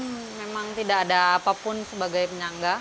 di zoom memang tidak ada apapun sebagai penyangga